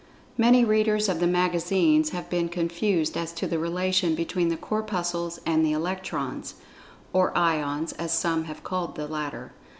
Many readers of the magazines have been confused as to the relation between the Corpuscles and the Electrons (or Ions, as some have called the latter.)